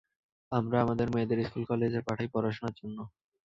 আমরা আমাদের মেয়েদের স্কুল-কলেজে পাঠাই পড়াশোনার জন্য।